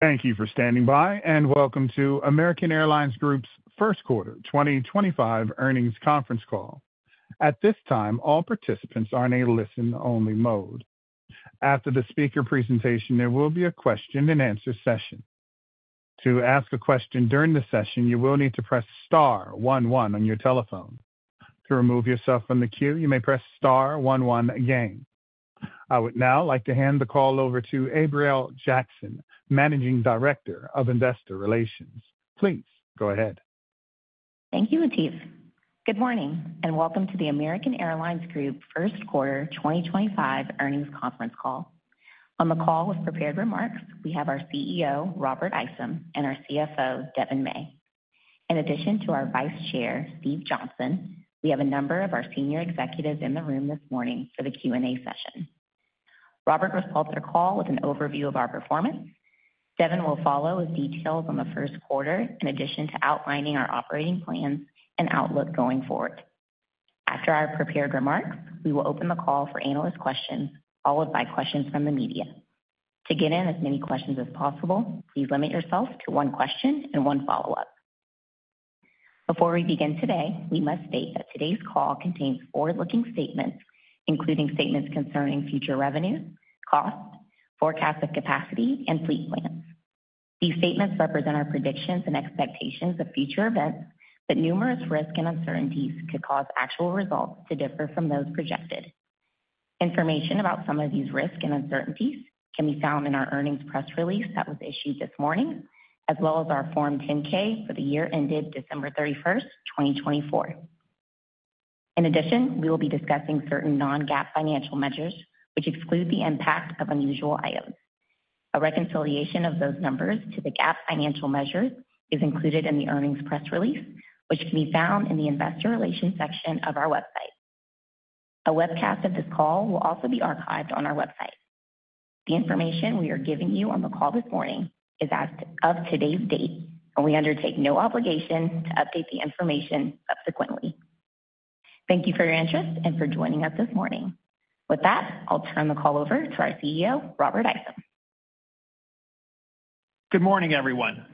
Thank you for standing by, and welcome to American Airlines Group's First Quarter 2025 earnings conference call. At this time, all participants are in a listen-only mode. After the speaker presentation, there will be a question-and-answer session. To ask a question during the session, you will need to press star one one on your telephone. To remove yourself from the queue, you may press star one one again. I would now like to hand the call over to Abriell Jackson, Managing Director of Investor Relations. Please go ahead. Thank you, Latif. Good morning, and welcome to the American Airlines Group First Quarter 2025 earnings conference call. On the call with prepared remarks, we have our CEO, Robert Isom, and our CFO, Devon May. In addition to our Vice Chair, Steve Johnson, we have a number of our senior executives in the room this morning for the Q&A session. Robert will start the call with an overview of our performance. Devon will follow with details on the first quarter, in addition to outlining our operating plans and outlook going forward. After our prepared remarks, we will open the call for analyst questions, followed by questions from the media. To get in as many questions as possible, please limit yourself to one question and one follow-up. Before we begin today, we must state that today's call contains forward-looking statements, including statements concerning future revenue, cost, forecast of capacity, and fleet plans. These statements represent our predictions and expectations of future events, but numerous risks and uncertainties could cause actual results to differ from those projected. Information about some of these risks and uncertainties can be found in our earnings press release that was issued this morning, as well as our Form 10-K for the year ended December 31st, 2024. In addition, we will be discussing certain non-GAAP financial measures, which exclude the impact of unusual items. A reconciliation of those numbers to the GAAP financial measures is included in the earnings press release, which can be found in the Investor Relations section of our website. A webcast of this call will also be archived on our website. The information we are giving you on the call this morning is as of today's date, and we undertake no obligation to update the information subsequently. Thank you for your interest and for joining us this morning. With that, I'll turn the call over to our CEO, Robert Isom. Good morning, everyone.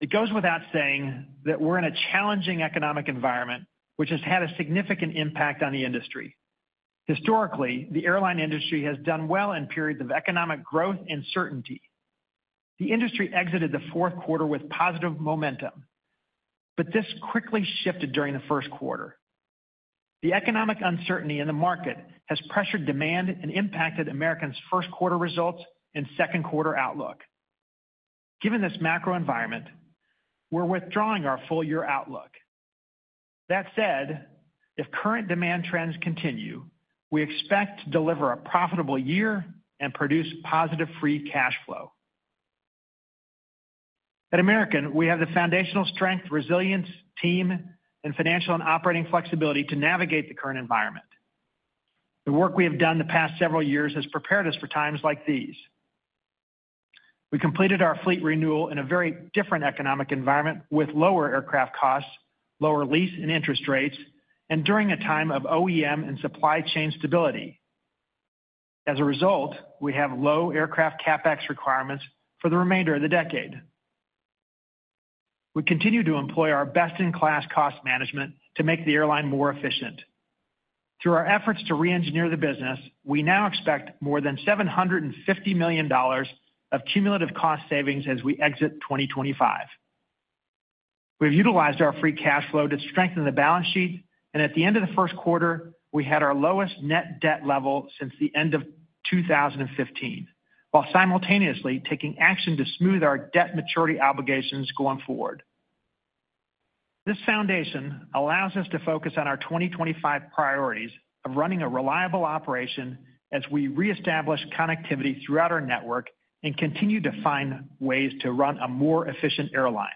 It goes without saying that we're in a challenging economic environment, which has had a significant impact on the industry. Historically, the airline industry has done well in periods of economic growth and certainty. The industry exited the fourth quarter with positive momentum, but this quickly shifted during the first quarter. The economic uncertainty in the market has pressured demand and impacted American's first quarter results and second quarter outlook. Given this macro environment, we're withdrawing our full-year outlook. That said, if current demand trends continue, we expect to deliver a profitable year and produce positive free cash flow. At American, we have the foundational strength, resilience, team, and financial and operating flexibility to navigate the current environment. The work we have done the past several years has prepared us for times like these. We completed our fleet renewal in a very different economic environment with lower aircraft costs, lower lease and interest rates, and during a time of OEM and supply chain stability. As a result, we have low aircraft CapEx requirements for the remainder of the decade. We continue to employ our best-in-class cost management to make the airline more efficient. Through our efforts to re-engineer the business, we now expect more than $750 million of cumulative cost savings as we exit 2025. We've utilized our free cash flow to strengthen the balance sheet, and at the end of the first quarter, we had our lowest net debt level since the end of 2015, while simultaneously taking action to smooth our debt maturity obligations going forward. This foundation allows us to focus on our 2025 priorities of running a reliable operation as we reestablish connectivity throughout our network and continue to find ways to run a more efficient airline.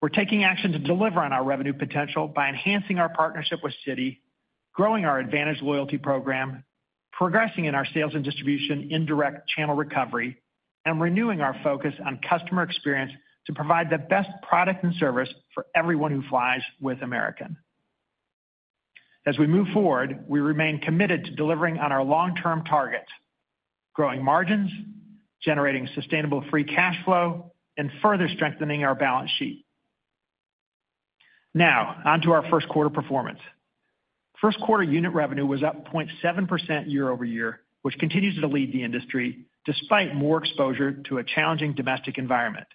We are taking action to deliver on our revenue potential by enhancing our partnership with Citi, growing our AAdvantage Loyalty Program, progressing in our sales and distribution indirect channel recovery, and renewing our focus on customer experience to provide the best product and service for everyone who flies with American. As we move forward, we remain committed to delivering on our long-term targets: growing margins, generating sustainable free cash flow, and further strengthening our balance sheet. Now, onto our first quarter performance. First quarter unit revenue was up 0.7% year-over-year, which continues to lead the industry despite more exposure to a challenging domestic environment.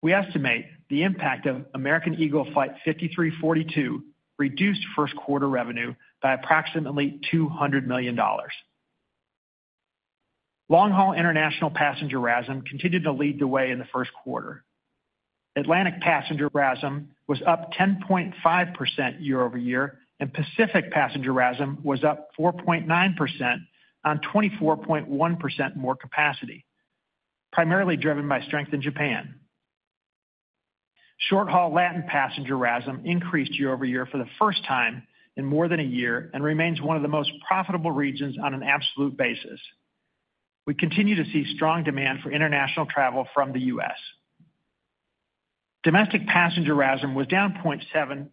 We estimate the impact of American Eagle Flight 5342 reduced first quarter revenue by approximately $200 million. Long-haul international passenger RASM continued to lead the way in the first quarter. Atlantic passenger RASM was up 10.5% year-over-year, and Pacific passenger RASM was up 4.9% on 24.1% more capacity, primarily driven by strength in Japan. Short-haul Latin passenger RASM increased year-over-year for the first time in more than a year and remains one of the most profitable regions on an absolute basis. We continue to see strong demand for international travel from the U.S. Domestic passenger RASM was down 0.7%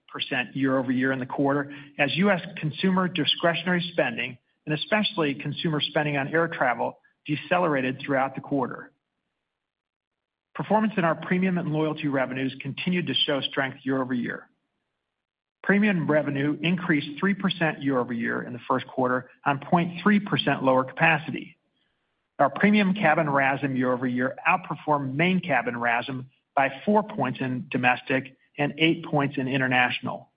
year-over-year in the quarter as U.S. consumer discretionary spending, and especially consumer spending on air travel, decelerated throughout the quarter. Performance in our premium and loyalty revenues continued to show strength year-over-year. Premium revenue increased 3% year-over-year in the first quarter on 0.3% lower capacity. Our premium cabin RASM year-over-year outperformed main cabin RASM by 4 points in domestic and 8 percentage points in international.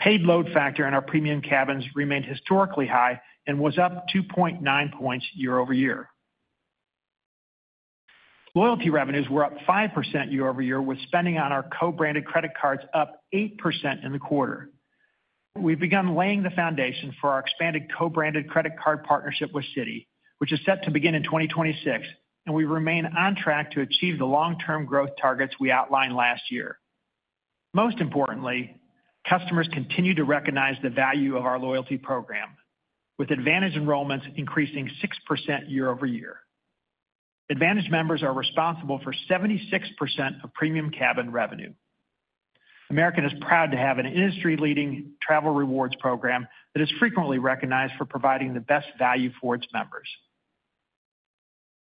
Paid load factor in our premium cabins remained historically high and was up 2.9 points year-over-year. Loyalty revenues were up 5% year-over-year, with spending on our co-branded credit cards up 8% in the quarter. We've begun laying the foundation for our expanded co-branded credit card partnership with Citi, which is set to begin in 2026, and we remain on track to achieve the long-term growth targets we outlined last year. Most importantly, customers continue to recognize the value of our loyalty program, with AAdvantage enrollments increasing 6% year-over-year. AAdvantage members are responsible for 76% of premium cabin revenue. American is proud to have an industry-leading travel rewards program that is frequently recognized for providing the best value for its members.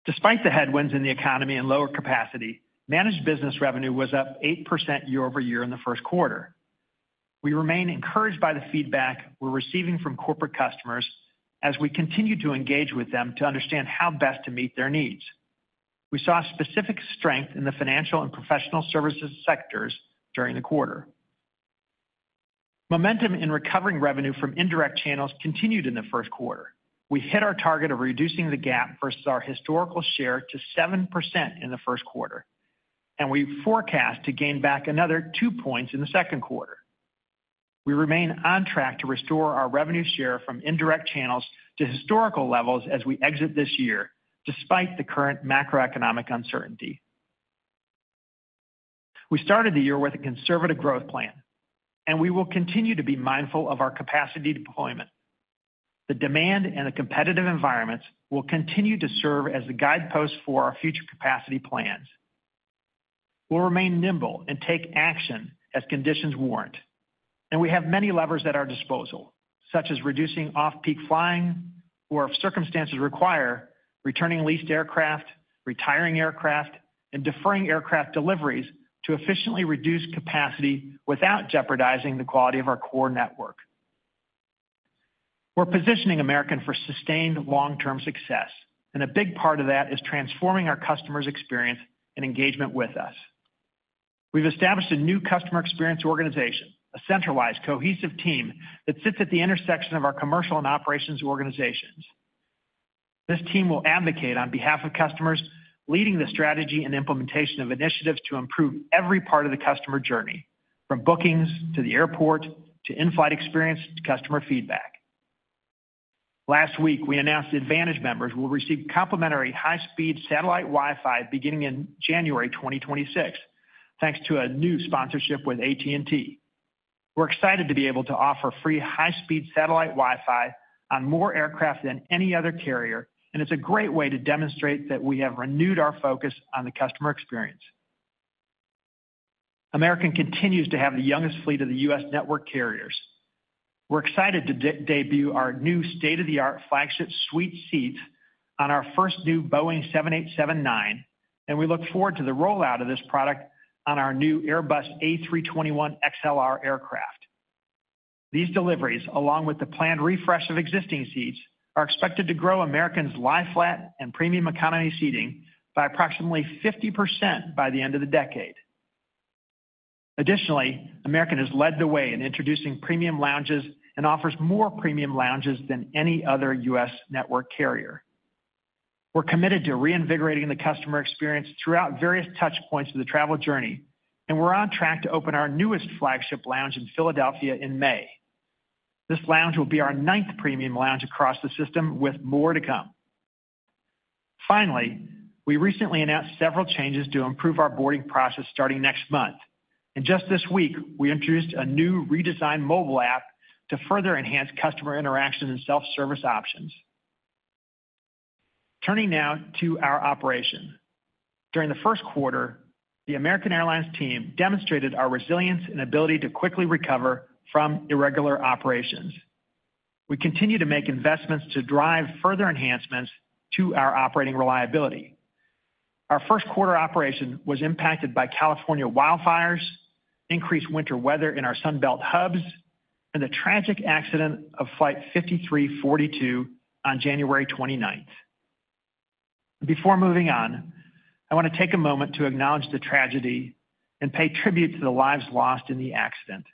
Despite the headwinds in the economy and lower capacity, managed business revenue was up 8% year-over-year in the first quarter. We remain encouraged by the feedback we're receiving from corporate customers as we continue to engage with them to understand how best to meet their needs. We saw specific strength in the financial and professional services sectors during the quarter. Momentum in recovering revenue from indirect channels continued in the first quarter. We hit our target of reducing the gap versus our historical share to 7% in the first quarter, and we forecast to gain back another 2 points in the second quarter. We remain on track to restore our revenue share from indirect channels to historical levels as we exit this year, despite the current macroeconomic uncertainty. We started the year with a conservative growth plan, and we will continue to be mindful of our capacity deployment. The demand and the competitive environments will continue to serve as the guideposts for our future capacity plans. We'll remain nimble and take action as conditions warrant, and we have many levers at our disposal, such as reducing off-peak flying, or if circumstances require, returning leased aircraft, retiring aircraft, and deferring aircraft deliveries to efficiently reduce capacity without jeopardizing the quality of our core network. We're positioning American for sustained long-term success, and a big part of that is transforming our customers' experience and engagement with us. We've established a new customer experience organization, a centralized, cohesive team that sits at the intersection of our commercial and operations organizations. This team will advocate on behalf of customers, leading the strategy and implementation of initiatives to improve every part of the customer journey, from bookings to the airport to in-flight experience to customer feedback. Last week, we announced AAdvantage members will receive complimentary high-speed satellite-based Wi-Fi beginning in January 2026, thanks to a new sponsorship with AT&T. We're excited to be able to offer free high-speed satellite-based Wi-Fi on more aircraft than any other carrier, and it's a great way to demonstrate that we have renewed our focus on the customer experience. American continues to have the youngest fleet of the U.S. network carriers. We're excited to debut our new state-of-the-art flagship suite seats on our first new Boeing 787-9, and we look forward to the rollout of this product on our new Airbus A321XLR aircraft. These deliveries, along with the planned refresh of existing seats, are expected to grow American's lie-flat and premium economy seating by approximately 50% by the end of the decade. Additionally, American has led the way in introducing premium lounges and offers more premium lounges than any other U.S. network carrier. We're committed to reinvigorating the customer experience throughout various touchpoints of the travel journey, and we're on track to open our newest flagship lounge in Philadelphia in May. This lounge will be our ninth premium lounge across the system, with more to come. Finally, we recently announced several changes to improve our boarding process starting next month, and just this week, we introduced a new redesigned mobile app to further enhance customer interaction and self-service options. Turning now to our operation. During the first quarter, the American Airlines team demonstrated our resilience and ability to quickly recover from irregular operations. We continue to make investments to drive further enhancements to our operating reliability. Our first quarter operation was impacted by California wildfires, increased winter weather in our Sunbelt hubs, and the tragic accident of flight 5342 on January 29th. Before moving on, I want to take a moment to acknowledge the tragedy and pay tribute to the lives lost in the accident.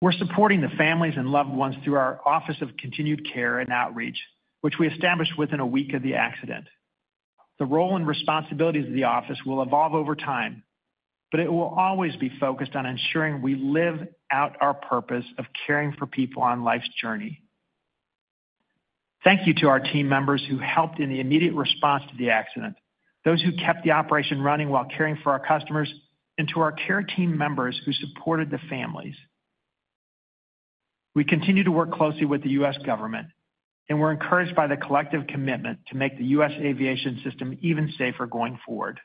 We're supporting the families and loved ones through our Office of Continued Care and Outreach, which we established within a week of the accident. The role and responsibilities of the office will evolve over time, but it will always be focused on ensuring we live out our purpose of caring for people on life's journey. Thank you to our team members who helped in the immediate response to the accident, those who kept the operation running while caring for our customers, and to our care team members who supported the families. We continue to work closely with the U.S. government, and we're encouraged by the collective commitment to make the U.S. aviation system even safer going forward.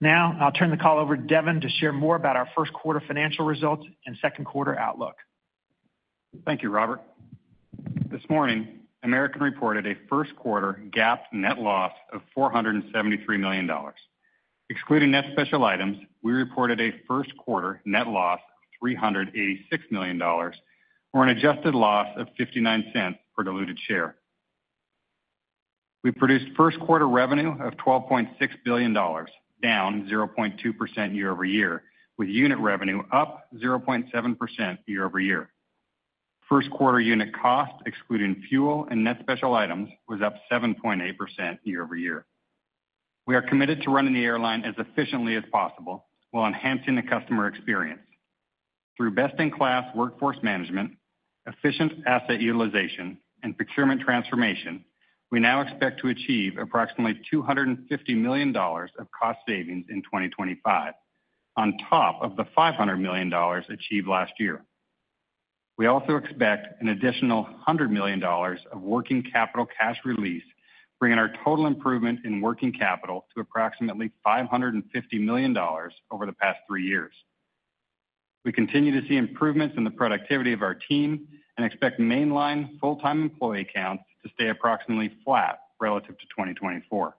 Now, I'll turn the call over to Devon to share more about our first quarter financial results and second quarter outlook. Thank you, Robert. This morning, American reported a first quarter GAAP net loss of $473 million. Excluding net special items, we reported a first quarter net loss of $386 million, or an adjusted loss of $0.59 per diluted share. We produced first quarter revenue of $12.6 billion, down 0.2% year-over-year, with unit revenue up 0.7% year-over-year. First quarter unit cost, excluding fuel and net special items, was up 7.8% year-over-year. We are committed to running the airline as efficiently as possible while enhancing the customer experience. Through best-in-class workforce management, efficient asset utilization, and procurement transformation, we now expect to achieve approximately $250 million of cost savings in 2025, on top of the $500 million achieved last year. We also expect an additional $100 million of working capital cash release, bringing our total improvement in working capital to approximately $550 million over the past three years. We continue to see improvements in the productivity of our team and expect mainline full-time employee counts to stay approximately flat relative to 2024.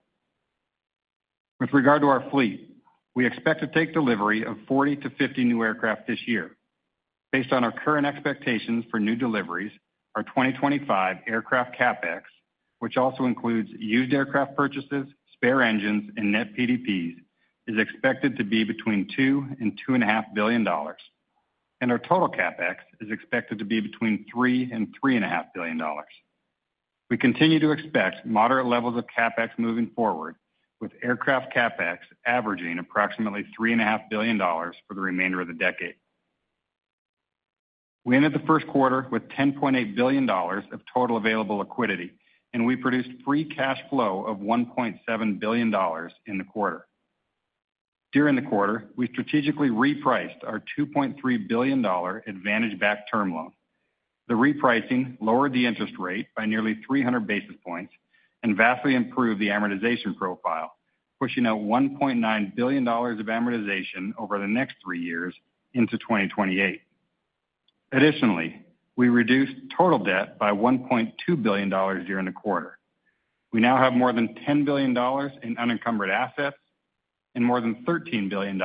With regard to our fleet, we expect to take delivery of 40-50 new aircraft this year. Based on our current expectations for new deliveries, our 2025 aircraft CapEx, which also includes used aircraft purchases, spare engines, and net PDPs, is expected to be between $2 billion and $2.5 billion, and our total CapEx is expected to be between $3 billion and $3.5 billion. We continue to expect moderate levels of CapEx moving forward, with aircraft CapEx averaging approximately $3.5 billion for the remainder of the decade. We ended the first quarter with $10.8 billion of total available liquidity, and we produced free cash flow of $1.7 billion in the quarter. During the quarter, we strategically repriced our $2.3 billion AAdvantage back term loan. The repricing lowered the interest rate by nearly 300 basis points and vastly improved the amortization profile, pushing out $1.9 billion of amortization over the next three years into 2028. Additionally, we reduced total debt by $1.2 billion during the quarter. We now have more than $10 billion in unencumbered assets and more than $13 billion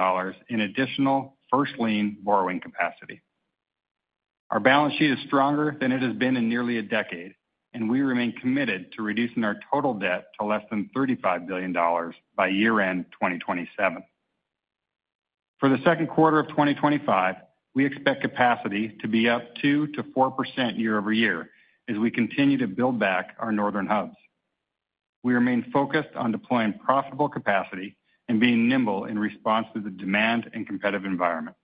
in additional first lien borrowing capacity. Our balance sheet is stronger than it has been in nearly a decade, and we remain committed to reducing our total debt to less than $35 billion by year-end 2027. For the second quarter of 2025, we expect capacity to be up 2%-4% year-over-year as we continue to build back our northern hubs. We remain focused on deploying profitable capacity and being nimble in response to the demand and competitive environment.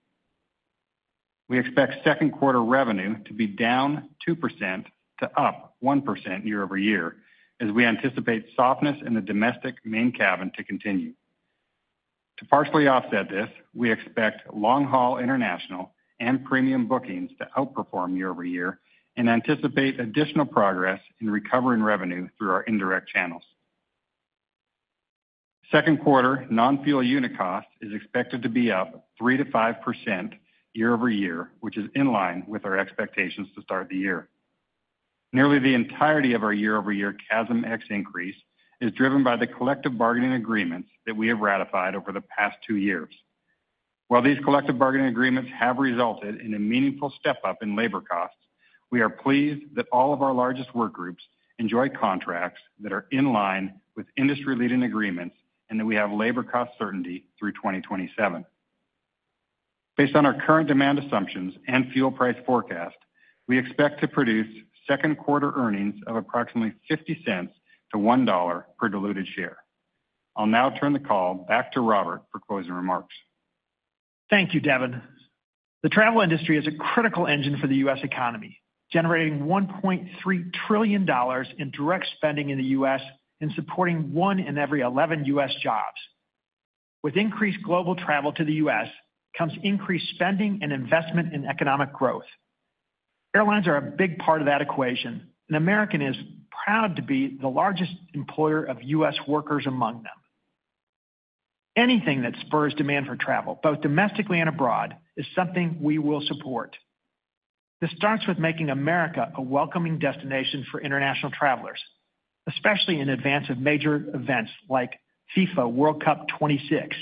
We expect second quarter revenue to be down 2% to up 1% year-over-year as we anticipate softness in the domestic main cabin to continue. To partially offset this, we expect long-haul international and premium bookings to outperform year-over-year and anticipate additional progress in recovering revenue through our indirect channels. Second quarter non-fuel unit costs is expected to be up 3%-5% year-over-year, which is in line with our expectations to start the year. Nearly the entirety of our year-over-year CASM increase is driven by the collective bargaining agreements that we have ratified over the past two years. While these collective bargaining agreements have resulted in a meaningful step-up in labor costs, we are pleased that all of our largest work groups enjoy contracts that are in line with industry-leading agreements and that we have labor cost certainty through 2027. Based on our current demand assumptions and fuel price forecast, we expect to produce second quarter earnings of approximately $0.50-$1 per diluted share. I'll now turn the call back to Robert for closing remarks. Thank you, Devon. The travel industry is a critical engine for the U.S. economy, generating $1.3 trillion in direct spending in the U.S. and supporting one in every 11 U.S. jobs. With increased global travel to the U.S. comes increased spending and investment in economic growth. Airlines are a big part of that equation, and American is proud to be the largest employer of U.S. workers among them. Anything that spurs demand for travel, both domestically and abroad, is something we will support. This starts with making America a welcoming destination for international travelers, especially in advance of major events like FIFA World Cup 2026,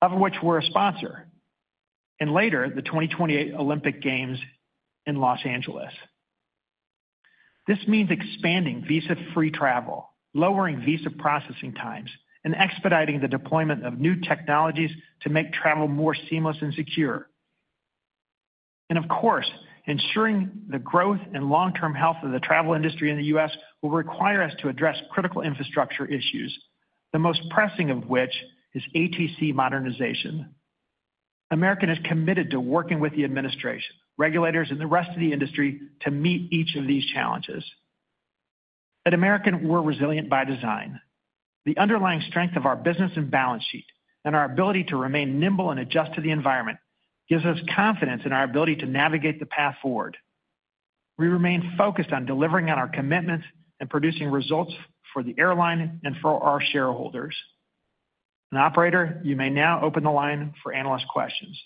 of which we're a sponsor, and later the 2028 Olympic Games in Los Angeles. This means expanding visa-free travel, lowering visa processing times, and expediting the deployment of new technologies to make travel more seamless and secure. Of course, ensuring the growth and long-term health of the travel industry in the U.S. will require us to address critical infrastructure issues, the most pressing of which is ATC modernization. American is committed to working with the administration, regulators, and the rest of the industry to meet each of these challenges. At American, we're resilient by design. The underlying strength of our business and balance sheet and our ability to remain nimble and adjust to the environment gives us confidence in our ability to navigate the path forward. We remain focused on delivering on our commitments and producing results for the airline and for our shareholders. Operator, you may now open the line for analyst questions.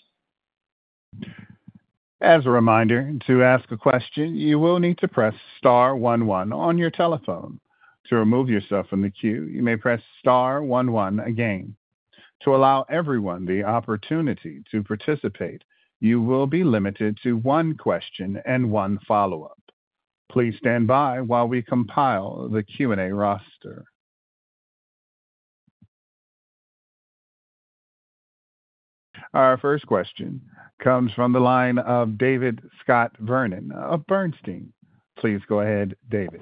As a reminder, to ask a question, you will need to press star one one on your telephone. To remove yourself from the queue, you may press star one one again. To allow everyone the opportunity to participate, you will be limited to one question and one follow-up. Please stand by while we compile the Q&A roster. Our first question comes from the line of David Scott Vernon of Bernstein. Please go ahead, David.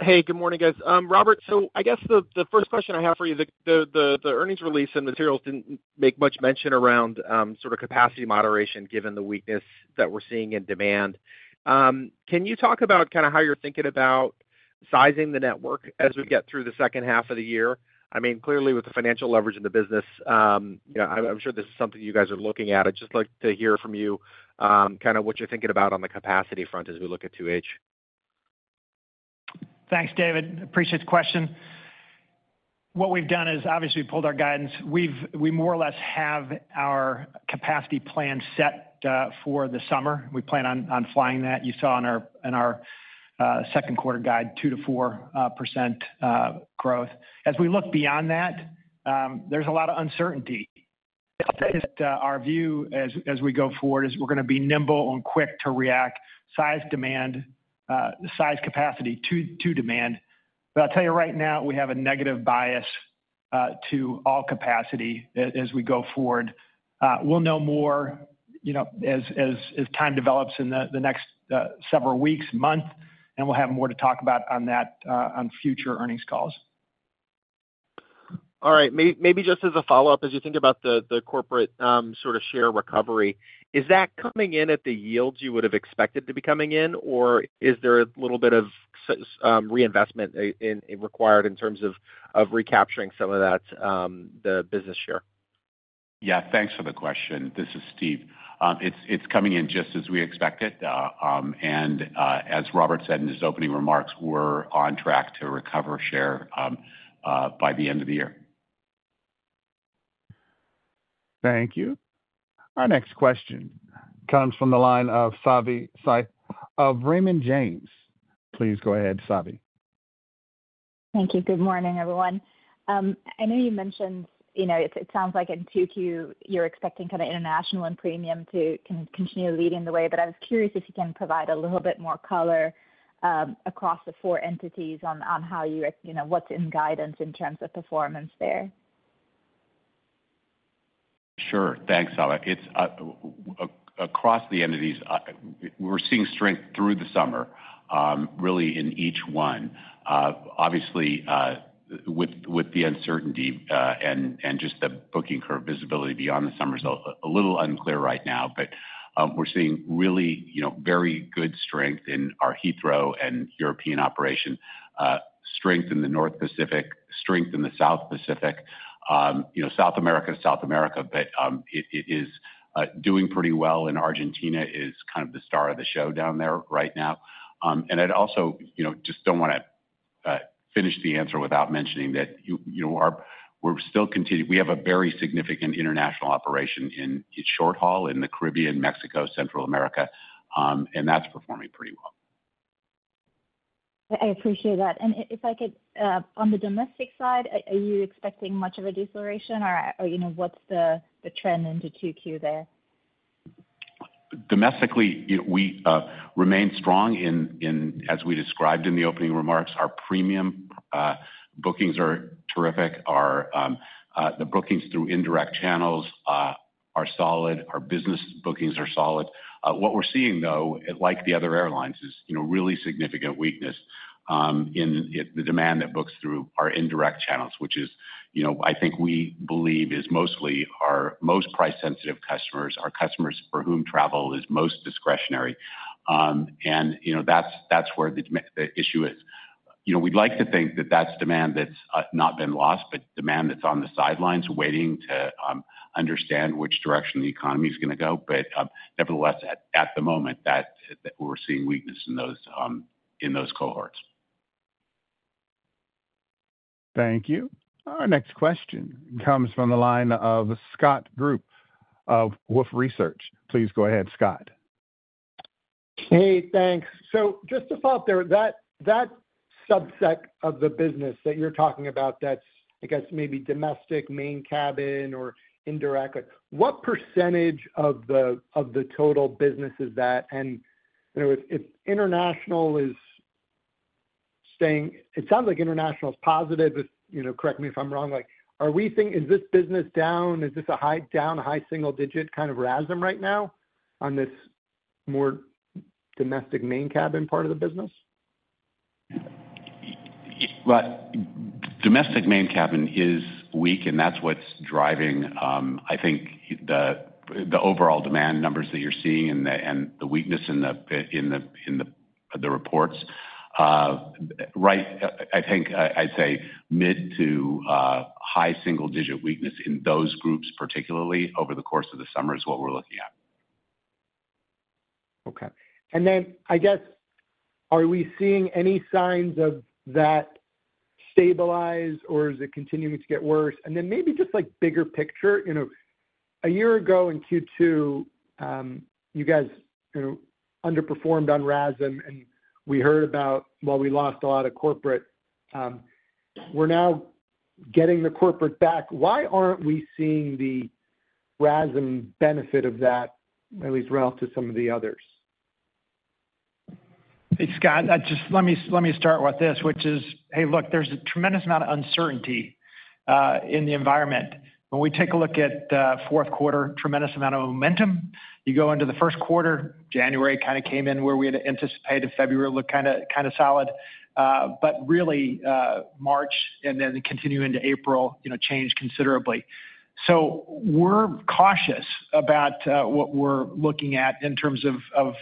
Hey, good morning, guys. Robert, I guess the first question I have for you, the earnings release and materials did not make much mention around sort of capacity moderation given the weakness that we are seeing in demand. Can you talk about kind of how you are thinking about sizing the network as we get through the second half of the year? I mean, clearly, with the financial leverage in the business, I am sure this is something you guys are looking at. I would just like to hear from you kind of what you are thinking about on the capacity front as we look at 2H. Thanks, David. Appreciate the question. What we've done is, obviously, we pulled our guidance. We more or less have our capacity plan set for the summer. We plan on flying that. You saw in our second quarter guide, 2%-4% growth. As we look beyond that, there's a lot of uncertainty. I think that our view as we go forward is we're going to be nimble and quick to react, size demand, size capacity to demand. I'll tell you right now, we have a negative bias to all capacity as we go forward. We'll know more as time develops in the next several weeks, month, and we'll have more to talk about on that on future earnings calls. All right. Maybe just as a follow-up, as you think about the corporate sort of share recovery, is that coming in at the yields you would have expected to be coming in, or is there a little bit of reinvestment required in terms of recapturing some of that, the business share? Yeah, thanks for the question. This is Steve. It's coming in just as we expect it. As Robert said in his opening remarks, we're on track to recover share by the end of the year. Thank you. Our next question comes from the line of Savi Syth Raymond James. Please go ahead, Savi. Thank you. Good morning, everyone. I know you mentioned it sounds like in Q2 you're expecting kind of international and premium to continue leading the way, but I was curious if you can provide a little bit more color across the four entities on how you what's in guidance in terms of performance there. Sure. Thanks, Sava. Across the entities, we're seeing strength through the summer, really in each one. Obviously, with the uncertainty and just the booking curve visibility beyond the summer is a little unclear right now, but we're seeing really very good strength in our Heathrow and European operation, strength in the North Pacific, strength in the South Pacific, South America, but it is doing pretty well, and Argentina is kind of the star of the show down there right now. I also just don't want to finish the answer without mentioning that we're still continuing we have a very significant international operation in short haul in the Caribbean, Mexico, Central America, and that's performing pretty well. I appreciate that. If I could, on the domestic side, are you expecting much of a deceleration, or what's the trend into Q2 there? Domestically, we remain strong in, as we described in the opening remarks, our premium bookings are terrific. The bookings through indirect channels are solid. Our business bookings are solid. What we're seeing, though, like the other airlines, is really significant weakness in the demand that books through our indirect channels, which is, I think, we believe is mostly our most price-sensitive customers, our customers for whom travel is most discretionary. That's where the issue is. We'd like to think that that's demand that's not been lost, but demand that's on the sidelines waiting to understand which direction the economy is going to go. Nevertheless, at the moment, we're seeing weakness in those cohorts. Thank you. Our next question comes from the line of Scott Group of Wolfe Research. Please go ahead, Scott. Hey, thanks. Just to follow up there, that subset of the business that you're talking about that's, I guess, maybe domestic main cabin or indirect, what percentage of the total business is that? If international is staying, it sounds like international is positive. Correct me if I'm wrong. Are we thinking, is this business down? Is this a high down, a high single-digit kind of RASM right now on this more domestic main cabin part of the business? Domestic main cabin is weak, and that's what's driving, I think, the overall demand numbers that you're seeing and the weakness in the reports. Right, I think I'd say mid- to high single-digit weakness in those groups, particularly over the course of the summer is what we're looking at. Okay. And then, I guess, are we seeing any signs of that stabilize, or is it continuing to get worse? And then maybe just like bigger picture. A year ago in Q2, you guys underperformed on RASM, and we heard about, well, we lost a lot of corporate. We're now getting the corporate back. Why aren't we seeing the RASM benefit of that, at least relative to some of the others? Hey, Scott, just let me start with this, which is, hey, look, there's a tremendous amount of uncertainty in the environment. When we take a look at the fourth quarter, tremendous amount of momentum. You go into the first quarter, January kind of came in where we had anticipated, February looked kind of solid, but really March and then continuing into April changed considerably. We are cautious about what we're looking at in terms of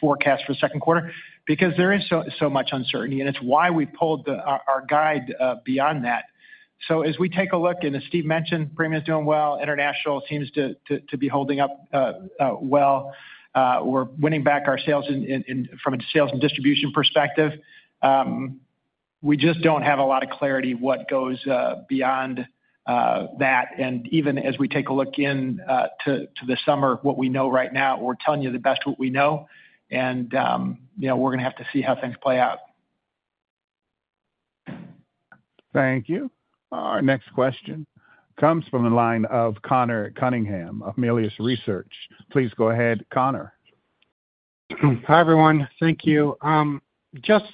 forecast for the second quarter because there is so much uncertainty, and it's why we pulled our guide beyond that. As we take a look, and as Steve mentioned, premium is doing well. International seems to be holding up well. We're winning back our sales from a sales and distribution perspective. We just do not have a lot of clarity what goes beyond that. Even as we take a look into the summer, what we know right now, we're telling you the best what we know, and we're going to have to see how things play out. Thank you. Our next question comes from the line of Conor Cunningham of Melius Research. Please go ahead, Conor. Hi, everyone. Thank you. Just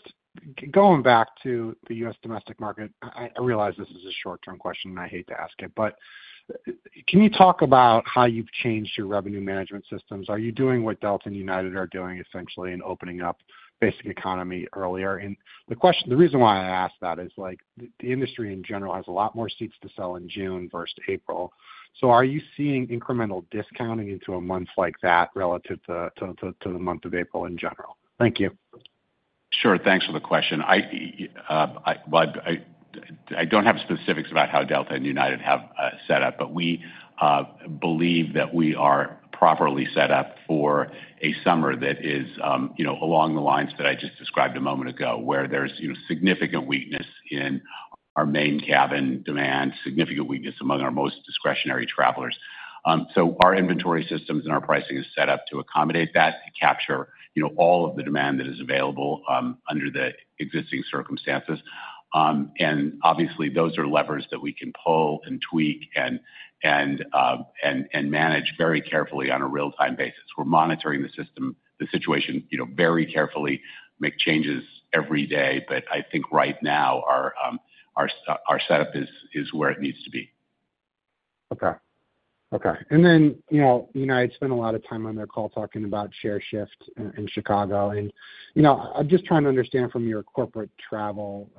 going back to the U.S. domestic market, I realize this is a short-term question, and I hate to ask it, but can you talk about how you've changed your revenue management systems? Are you doing what Delta and United are doing, essentially, and opening up basic economy earlier? The reason why I ask that is the industry in general has a lot more seats to sell in June versus April. Are you seeing incremental discounting into a month like that relative to the month of April in general? Thank you. Sure. Thanks for the question. I do not have specifics about how Delta and United have set up, but we believe that we are properly set up for a summer that is along the lines that I just described a moment ago, where there is significant weakness in our main cabin demand, significant weakness among our most discretionary travelers. Our inventory systems and our pricing are set up to accommodate that, to capture all of the demand that is available under the existing circumstances. Obviously, those are levers that we can pull and tweak and manage very carefully on a real-time basis. We are monitoring the situation very carefully, make changes every day. I think right now our setup is where it needs to be. Okay. Okay. United spent a lot of time on their call talking about share shift in Chicago. I'm just trying to understand from your corporate travel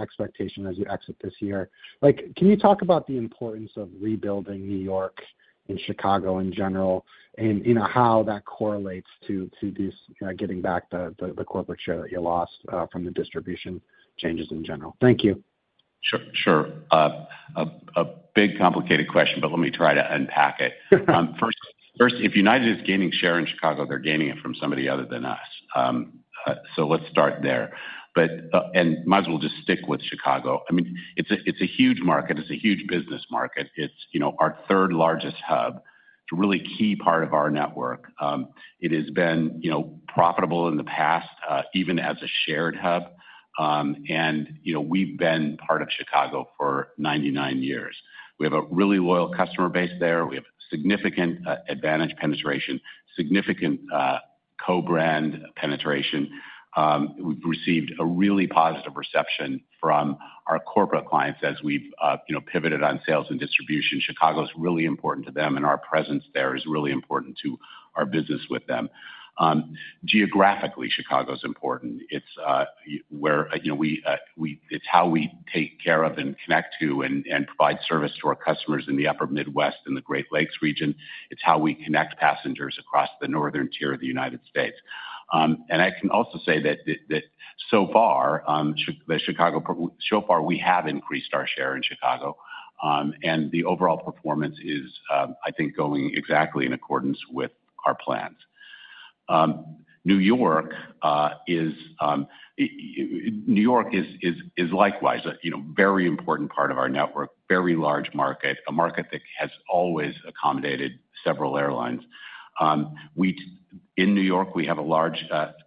expectation as you exit this year. Can you talk about the importance of rebuilding New York and Chicago in general and how that correlates to getting back the corporate share that you lost from the distribution changes in general? Thank you. Sure. Sure. A big complicated question, but let me try to unpack it. First, if United is gaining share in Chicago, they're gaining it from somebody other than us. Let's start there. I mean, it's a huge market. It's a huge business market. It's our third largest hub. It's a really key part of our network. It has been profitable in the past, even as a shared hub. We've been part of Chicago for 99 years. We have a really loyal customer base there. We have significant AAdvantage penetration, significant co-brand penetration. We've received a really positive reception from our corporate clients as we've pivoted on sales and distribution. Chicago is really important to them, and our presence there is really important to our business with them. Geographically, Chicago is important. It's where it's how we take care of and connect to and provide service to our customers in the Upper Midwest and the Great Lakes region. It's how we connect passengers across the northern tier of the United States. I can also say that so far, so far we have increased our share in Chicago, and the overall performance is, I think, going exactly in accordance with our plans. New York is likewise a very important part of our network, very large market, a market that has always accommodated several airlines. In New York, we have a large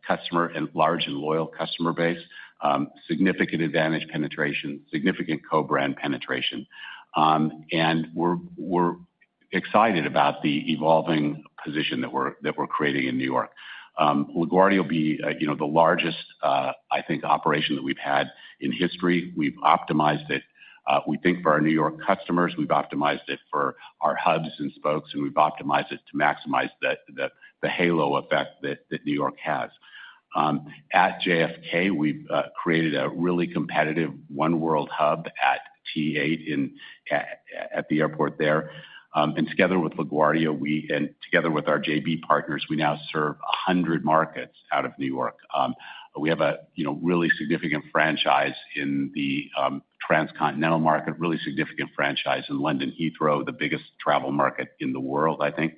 customer and large and loyal customer base, significant AAdvantage penetration, significant co-brand penetration. We're excited about the evolving position that we're creating in New York. LaGuardia will be the largest, I think, operation that we've had in history. We've optimized it. We think for our New York customers, we've optimized it for our hubs and spokes, and we've optimized it to maximize the halo effect that New York has. At JFK, we've created a really competitive Oneworld hub at T8 at the airport there. Together with LaGuardia and together with our JB partners, we now serve 100 markets out of New York. We have a really significant franchise in the transcontinental market, really significant franchise in London Heathrow, the biggest travel market in the world, I think.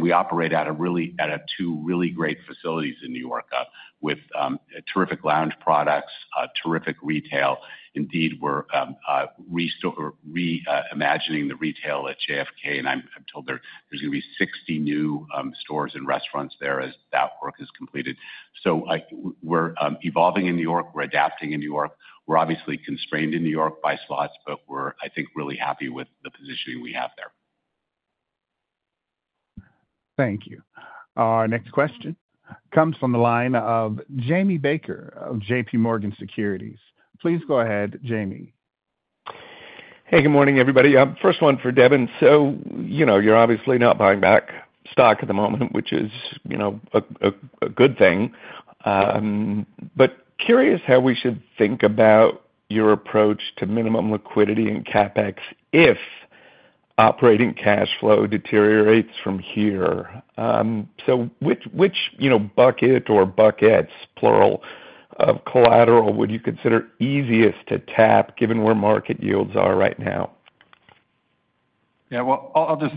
We operate at two really great facilities in New York with terrific lounge products, terrific retail. Indeed, we're reimagining the retail at JFK, and I'm told there's going to be 60 new stores and restaurants there as that work is completed. We're evolving in New York. We're adapting in New York. We're obviously constrained in New York by slots, but we're, I think, really happy with the positioning we have there. Thank you. Our next question comes from the line of Jamie Baker of JPMorgan Securities. Please go ahead, Jamie. Hey, good morning, everybody. First one for Devon. You're obviously not buying back stock at the moment, which is a good thing. Curious how we should think about your approach to minimum liquidity and CapEx if operating cash flow deteriorates from here. Which bucket or buckets, plural, of collateral would you consider easiest to tap given where market yields are right now? Yeah. I'll just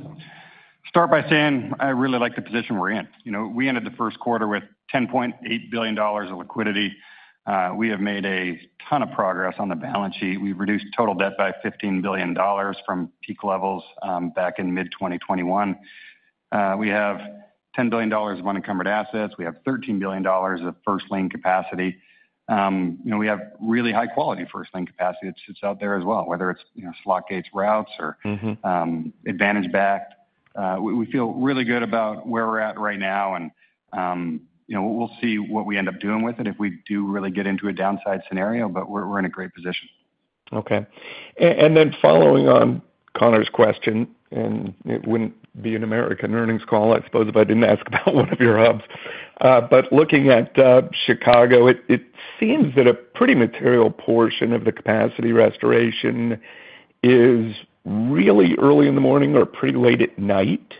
start by saying I really like the position we're in. We ended the first quarter with $10.8 billion of liquidity. We have made a ton of progress on the balance sheet. We've reduced total debt by $15 billion from peak levels back in mid-2021. We have $10 billion of unencumbered assets. We have $13 billion of first-line capacity. We have really high-quality first-line capacity that sits out there as well, whether it's slot gates, routes, or AAdvantage-backed. We feel really good about where we're at right now, and we'll see what we end up doing with it if we do really get into a downside scenario, but we're in a great position. Okay. Following on Connor's question, it would not be an American earnings call, I suppose, if I did not ask about one of your hubs. Looking at Chicago, it seems that a pretty material portion of the capacity restoration is really early in the morning or pretty late at night.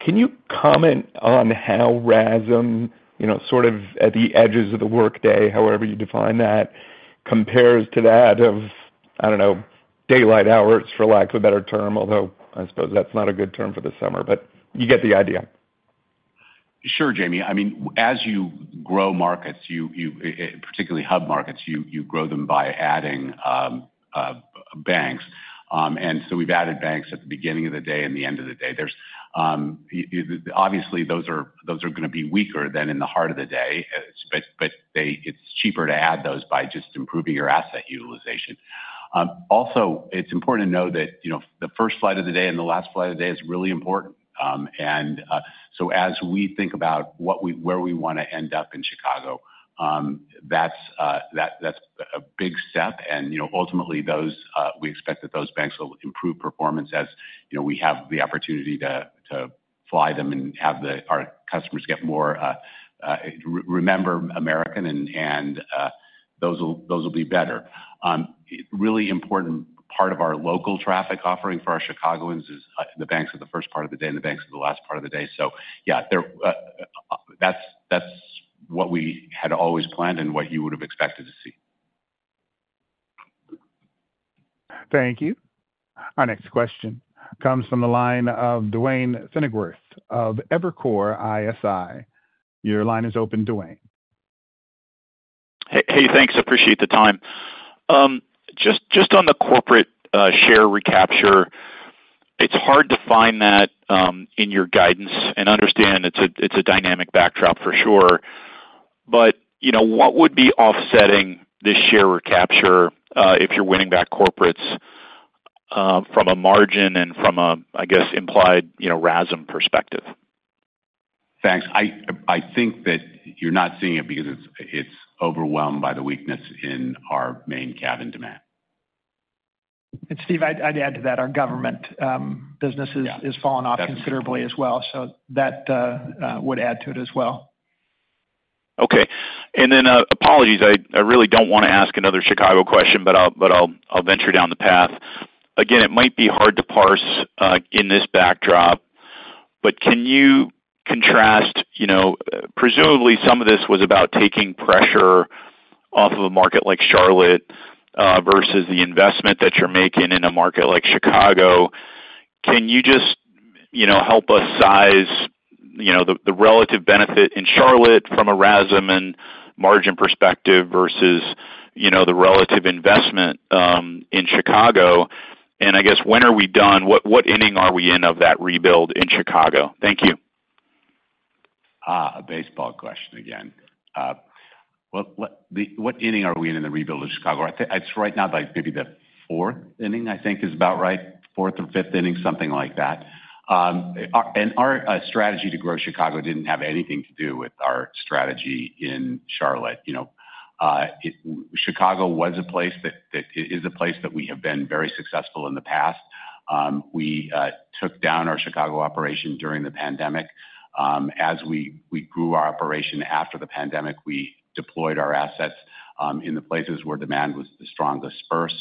Can you comment on how RASM, sort of at the edges of the workday, however you define that, compares to that of, I do not know, daylight hours, for lack of a better term, although I suppose that is not a good term for the summer, but you get the idea. Sure, Jamie. I mean, as you grow markets, particularly hub markets, you grow them by adding banks. We have added banks at the beginning of the day and the end of the day. Obviously, those are going to be weaker than in the heart of the day, but it is cheaper to add those by just improving your asset utilization. Also, it is important to know that the first flight of the day and the last flight of the day is really important. As we think about where we want to end up in Chicago, that is a big step. Ultimately, we expect that those banks will improve performance as we have the opportunity to fly them and have our customers get more remember American, and those will be better. Really important part of our local traffic offering for our Chicagoans is the banks of the first part of the day and the banks of the last part of the day. Yeah, that's what we had always planned and what you would have expected to see. Thank you. Our next question comes from the line of Duane Pfennigwerth of Evercore ISI. Your line is open, Duane. Hey, thanks. Appreciate the time. Just on the corporate share recapture, it's hard to find that in your guidance and understand it's a dynamic backdrop for sure. What would be offsetting this share recapture if you're winning back corporates from a margin and from a, I guess, implied RASM perspective? Thanks. I think that you're not seeing it because it's overwhelmed by the weakness in our main cabin demand. Steve, I'd add to that our government business is falling off considerably as well. That would add to it as well. Okay. Apologies. I really don't want to ask another Chicago question, but I'll venture down the path. Again, it might be hard to parse in this backdrop, but can you contrast presumably some of this was about taking pressure off of a market like Charlotte versus the investment that you're making in a market like Chicago. Can you just help us size the relative benefit in Charlotte from a RASM and margin perspective versus the relative investment in Chicago? I guess when are we done? What inning are we in of that rebuild in Chicago? Thank you. A baseball question again. What inning are we in in the rebuild of Chicago? Right now, maybe the fourth inning, I think, is about right. Fourth or fifth inning, something like that. Our strategy to grow Chicago didn't have anything to do with our strategy in Charlotte. Chicago was a place that is a place that we have been very successful in the past. We took down our Chicago operation during the pandemic. As we grew our operation after the pandemic, we deployed our assets in the places where demand was the strongest first.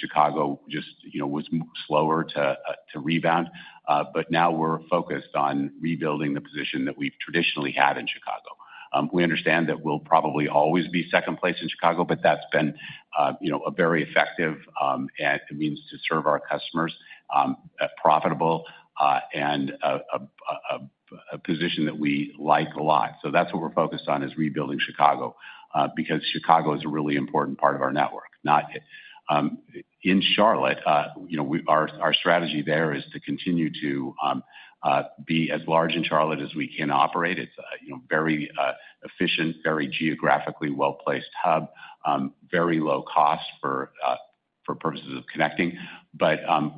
Chicago just was slower to rebound. Now we're focused on rebuilding the position that we've traditionally had in Chicago. We understand that we'll probably always be second place in Chicago, but that's been a very effective means to serve our customers, profitable, and a position that we like a lot. That's what we're focused on, is rebuilding Chicago because Chicago is a really important part of our network. In Charlotte, our strategy there is to continue to be as large in Charlotte as we can operate. It's a very efficient, very geographically well-placed hub, very low cost for purposes of connecting.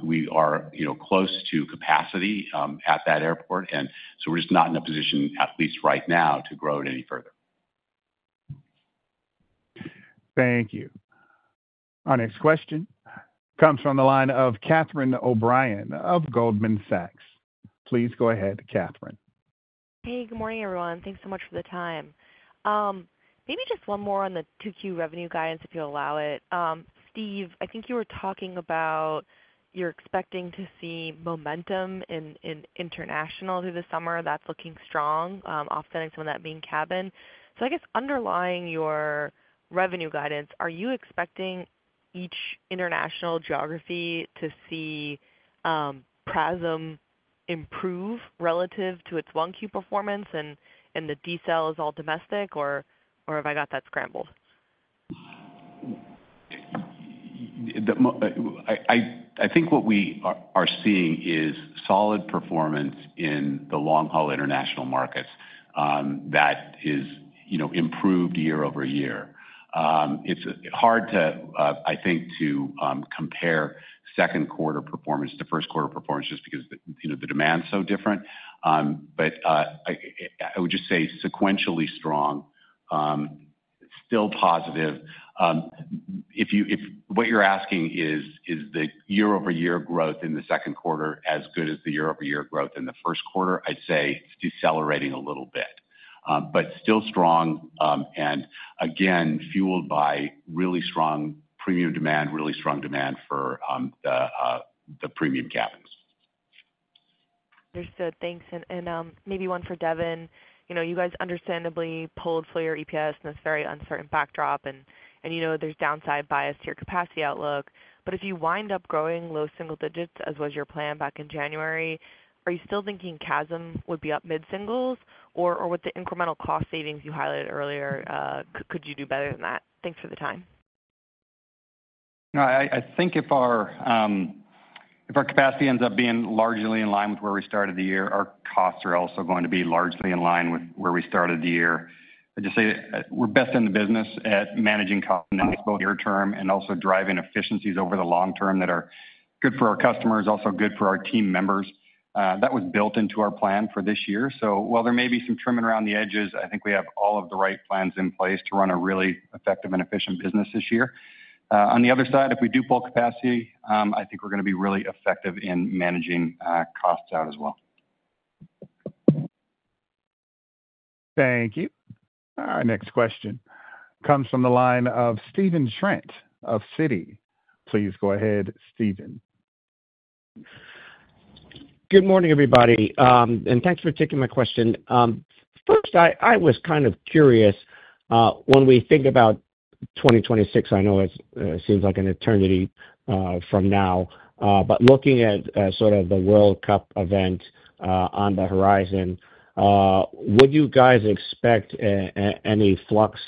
We are close to capacity at that airport. We're just not in a position, at least right now, to grow it any further. Thank you. Our next question comes from the line of Catherine O'Brien of Goldman Sachs. Please go ahead, Catherine. Hey, good morning, everyone. Thanks so much for the time. Maybe just one more on the 2Q revenue guidance, if you'll allow it. Steve, I think you were talking about you're expecting to see momentum in international through the summer. That's looking strong, offsetting some of that main cabin. I guess underlying your revenue guidance, are you expecting each international geography to see PRASM improve relative to its 1Q performance and the decel is all domestic, or have I got that scrambled? I think what we are seeing is solid performance in the long-haul international markets that has improved year-over-year. It is hard, I think, to compare second-quarter performance to first-quarter performance just because the demand is so different. I would just say sequentially strong, still positive. What you are asking is the year-over-year growth in the second quarter as good as the year-over-year growth in the first quarter. I would say it is decelerating a little bit, but still strong and, again, fueled by really strong premium demand, really strong demand for the premium cabins. Understood. Thanks. Maybe one for Devon. You guys understandably pulled fully your EPS in this very uncertain backdrop, and there's downside bias to your capacity outlook. If you wind up growing low single digits, as was your plan back in January, are you still thinking CASM would be up mid-singles, or with the incremental cost savings you highlighted earlier, could you do better than that? Thanks for the time. No, I think if our capacity ends up being largely in line with where we started the year, our costs are also going to be largely in line with where we started the year. I'd just say we're best in the business at managing costs in the next both year term and also driving efficiencies over the long term that are good for our customers, also good for our team members. That was built into our plan for this year. While there may be some trimming around the edges, I think we have all of the right plans in place to run a really effective and efficient business this year. On the other side, if we do pull capacity, I think we're going to be really effective in managing costs out as well. Thank you. Our next question comes from the line of Stephen Trent of Citi. Please go ahead, Stephen. Good morning, everybody. Thanks for taking my question. First, I was kind of curious. When we think about 2026, I know it seems like an eternity from now, but looking at sort of the World Cup event on the horizon, would you guys expect any flux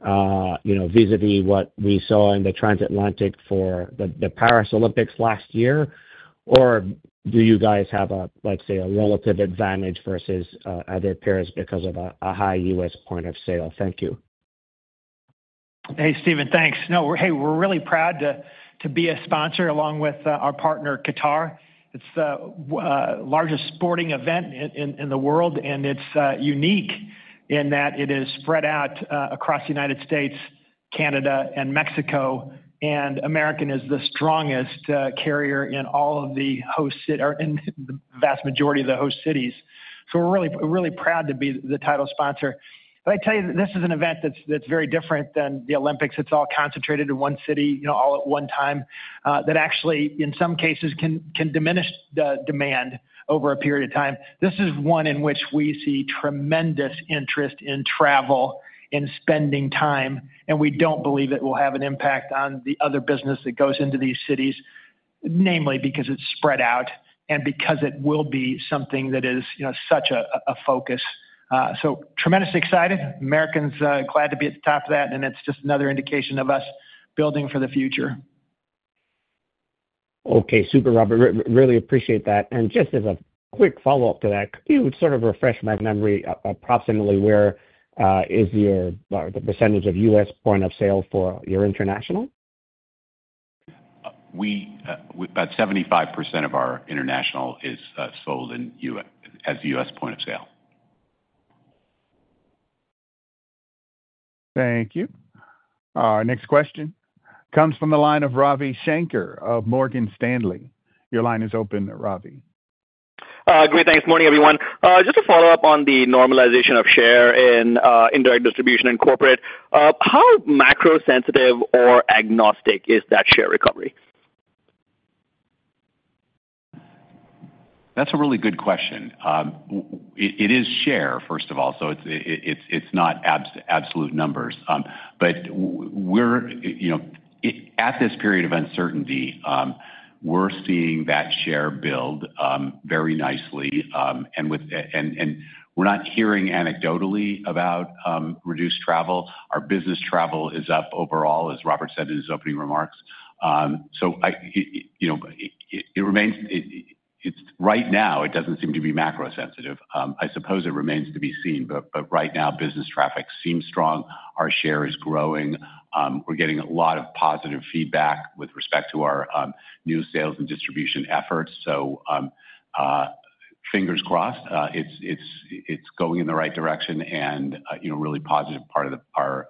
vis-à-vis what we saw in the Transatlantic for the Paris Olympics last year, or do you guys have, let's say, a relative advantage versus other pairs because of a high U.S. point of sale? Thank you. Hey, Stephen, thanks. No, hey, we're really proud to be a sponsor along with our partner, Qatar. It's the largest sporting event in the world, and it's unique in that it is spread out across the United States, Canada, and Mexico, and American is the strongest carrier in all of the host cities or in the vast majority of the host cities. We're really proud to be the title sponsor. I tell you, this is an event that's very different than the Olympics. It's all concentrated in one city all at one time that actually, in some cases, can diminish demand over a period of time. This is one in which we see tremendous interest in travel, in spending time, and we don't believe it will have an impact on the other business that goes into these cities, namely because it's spread out and because it will be something that is such a focus. Tremendously excited. American's glad to be at the top of that, and it's just another indication of us building for the future. Okay. Super, Robert. Really appreciate that. Just as a quick follow-up to that, could you sort of refresh my memory approximately where is the percentage of U.S. point of sale for your international? About 75% of our international is sold as U.S. point of sale. Thank you. Our next question comes from the line of Ravi Shanker of Morgan Stanley. Your line is open, Ravi. Great. Thanks. Morning, everyone. Just to follow up on the normalization of share in indirect distribution and corporate, how macro-sensitive or agnostic is that share recovery? That's a really good question. It is share, first of all. So it's not absolute numbers. At this period of uncertainty, we're seeing that share build very nicely. We're not hearing anecdotally about reduced travel. Our business travel is up overall, as Robert said in his opening remarks. It remains right now, it doesn't seem to be macro-sensitive. I suppose it remains to be seen. Right now, business traffic seems strong. Our share is growing. We're getting a lot of positive feedback with respect to our new sales and distribution efforts. Fingers crossed. It's going in the right direction and a really positive part of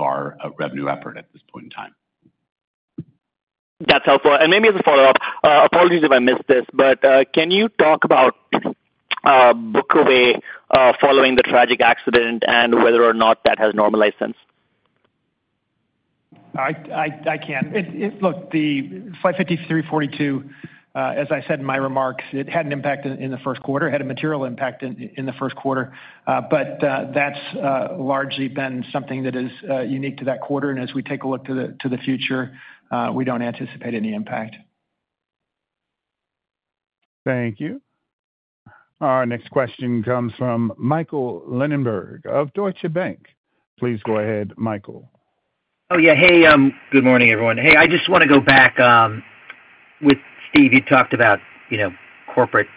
our revenue effort at this point in time. That's helpful. Maybe as a follow-up, apologies if I missed this, but can you talk about book away following the tragic accident and whether or not that has normalized since? I can. Look, the 553.42, as I said in my remarks, it had an impact in the first quarter. It had a material impact in the first quarter. That is largely been something that is unique to that quarter. As we take a look to the future, we do not anticipate any impact. Thank you. Our next question comes from Michael Linenberg of Deutsche Bank. Please go ahead, Michael. Oh, yeah. Hey, good morning, everyone. Hey, I just want to go back. With Steve, you talked about corporate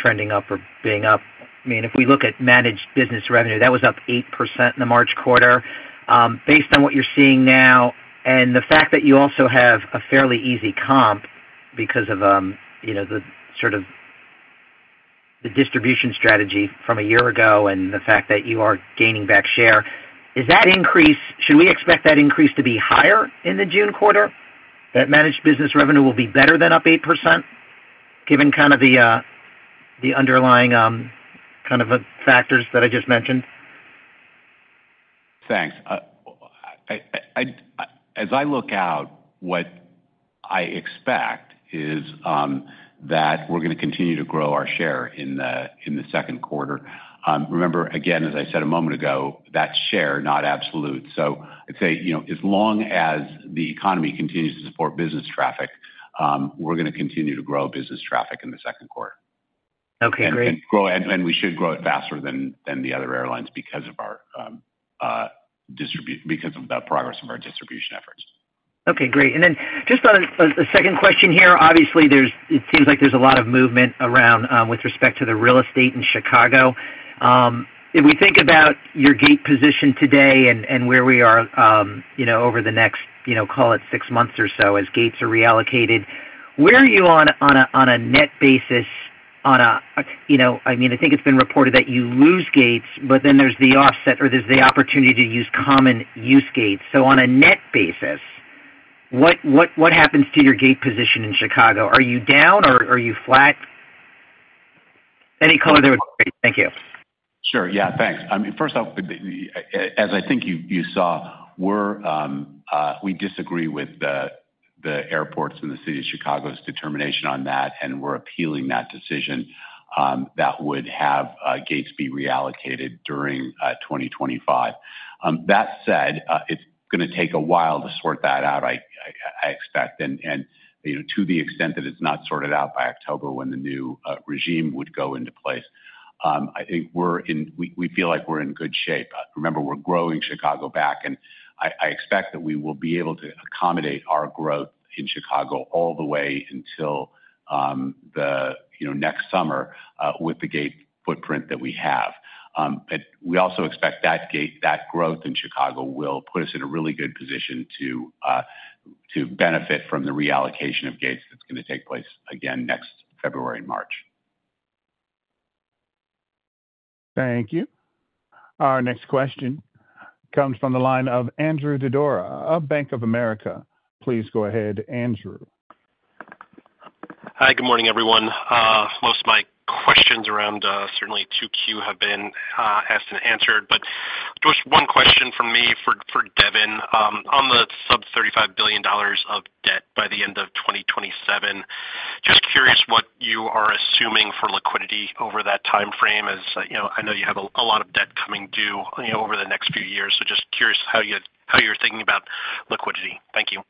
trending up or being up. I mean, if we look at managed business revenue, that was up 8% in the March quarter. Based on what you're seeing now and the fact that you also have a fairly easy comp because of the sort of the distribution strategy from a year ago and the fact that you are gaining back share, is that increase, should we expect that increase to be higher in the June quarter, that managed business revenue will be better than up 8%, given kind of the underlying kind of factors that I just mentioned? Thanks. As I look out, what I expect is that we're going to continue to grow our share in the second quarter. Remember, again, as I said a moment ago, that's share, not absolute. I'd say as long as the economy continues to support business traffic, we're going to continue to grow business traffic in the second quarter. Okay. Great. We should grow it faster than the other airlines because of our distribution, because of the progress of our distribution efforts. Okay. Great. Just a second question here. Obviously, it seems like there is a lot of movement around with respect to the real estate in Chicago. If we think about your gate position today and where we are over the next, call it, six months or so as gates are reallocated, where are you on a net basis? I mean, I think it has been reported that you lose gates, but then there is the offset or there is the opportunity to use common use gates. On a net basis, what happens to your gate position in Chicago? Are you down or are you flat? Any color there would be great. Thank you. Sure. Yeah. Thanks. I mean, first off, as I think you saw, we disagree with the airports and the City of Chicago's determination on that, and we're appealing that decision that would have gates be reallocated during 2025. That said, it's going to take a while to sort that out, I expect. To the extent that it's not sorted out by October when the new regime would go into place, I think we feel like we're in good shape. Remember, we're growing Chicago back. I expect that we will be able to accommodate our growth in Chicago all the way until the next summer with the gate footprint that we have. We also expect that growth in Chicago will put us in a really good position to benefit from the reallocation of gates that's going to take place again next February and March. Thank you. Our next question comes from the line of Andrew Didora, of Bank of America. Please go ahead, Andrew. Hi. Good morning, everyone. Most of my questions around certainly 2Q have been asked and answered. Just one question from me for Devon. On the sub-$35 billion of debt by the end of 2027, just curious what you are assuming for liquidity over that timeframe as I know you have a lot of debt coming due over the next few years. Just curious how you're thinking about liquidity. Thank you.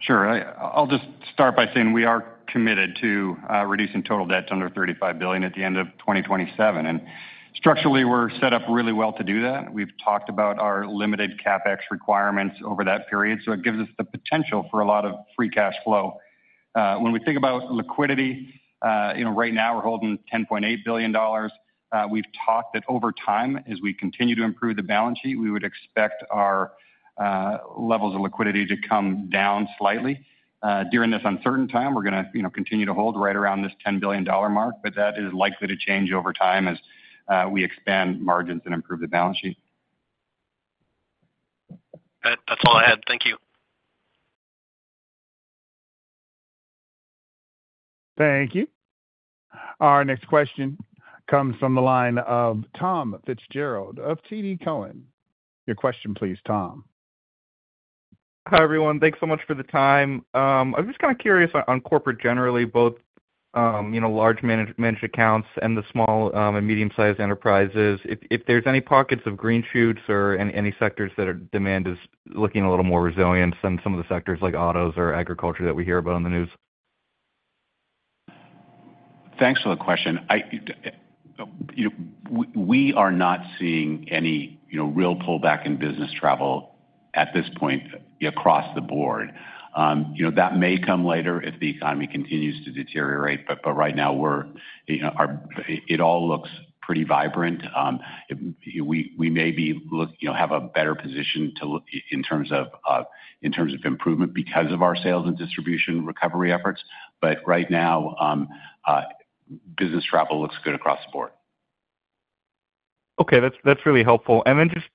Sure. I'll just start by saying we are committed to reducing total debt to under $35 billion at the end of 2027. Structurally, we're set up really well to do that. We've talked about our limited CapEx requirements over that period. It gives us the potential for a lot of free cash flow. When we think about liquidity, right now, we're holding $10.8 billion. We've talked that over time, as we continue to improve the balance sheet, we would expect our levels of liquidity to come down slightly. During this uncertain time, we're going to continue to hold right around this $10 billion mark, but that is likely to change over time as we expand margins and improve the balance sheet. That's all I had. Thank you. Thank you. Our next question comes from the line of Tom Fitzgerald of TD Cowen. Your question, please, Tom. Hi, everyone. Thanks so much for the time. I was just kind of curious on corporate generally, both large managed accounts and the small and medium-sized enterprises, if there's any pockets of green shoots or any sectors that demand is looking a little more resilient than some of the sectors like autos or agriculture that we hear about on the news. Thanks for the question. We are not seeing any real pullback in business travel at this point across the board. That may come later if the economy continues to deteriorate. Right now, it all looks pretty vibrant. We may have a better position in terms of improvement because of our sales and distribution recovery efforts. Right now, business travel looks good across the board. Okay. That's really helpful. Just